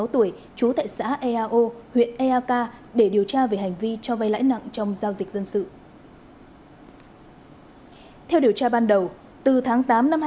hai mươi sáu tuổi chú tại xã eao huyện eak để điều tra về hành vi cho vay lãi nặng trong giao dịch dân